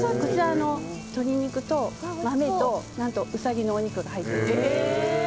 鶏肉と豆とウサギのお肉が入っています。